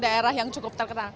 daerah yang cukup terkenal